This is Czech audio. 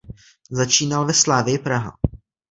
Začínal ve Slavii Praha.